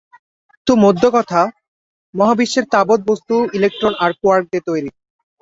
তো মোদ্দাকথা, মহাবিশ্বের তাবৎ বস্তু ইলেকট্রন আর কোয়ার্ক দিয়ে তৈরি।